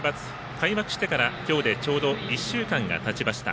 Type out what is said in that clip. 開幕してから今日でちょうど１週間がたちました。